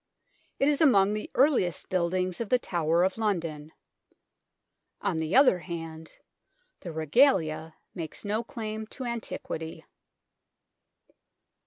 It is among the earliest buildings of the Tower of London. On the other hand, the Regalia makes no claim to antiquity.